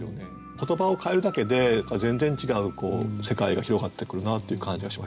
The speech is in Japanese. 言葉を変えるだけで全然違う世界が広がってくるなという感じはしましたね。